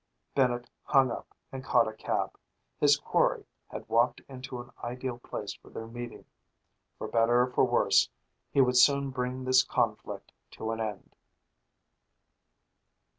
Bennett hung up and caught a cab. His quarry had walked into an ideal place for their meeting. For better or for worse, he would soon bring this conflict to an end.